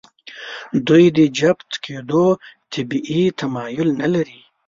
دوی د جفت کېدو طبیعي تمایل نهلري.